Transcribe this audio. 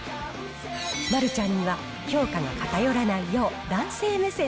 丸ちゃんには評価が偏らないよう。